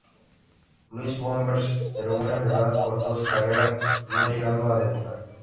Louis Bombers, pero una enfermedad cortó su carrera, no llegando a debutar.